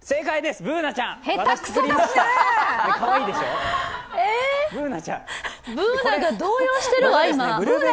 Ｂｏｏｎａが動揺しているわ、今。